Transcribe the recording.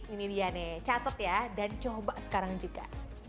ini dia nih catet ya dan coba sekarang juga